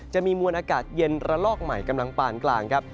จะมีมวลอากาศเย็นระลอกใหม่กำลังปานกลางครับ